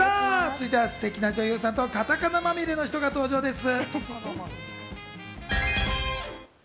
続いてはステキな女優さんとカタカナまみれの方が登場です。